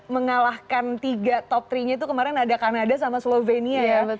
mengalahkan tiga top tiga nya itu kemarin ada kanada sama slovenia ya